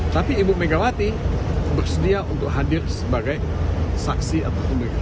tapi ibu megawati bersedia untuk hadir sebagai saksi ataupun